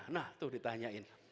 nah itu ditanyain